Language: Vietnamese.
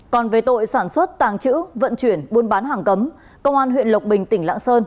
còn về tội sản xuất tàng trữ vận chuyển buôn bán hàng cấm công an huyện lộc bình tỉnh lạng sơn